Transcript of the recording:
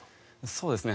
そうですね。